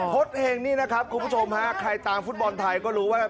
เห็งนี่นะครับคุณผู้ชมฮะใครตามฟุตบอลไทยก็รู้ว่า